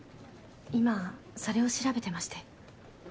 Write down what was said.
今それを調べてまして。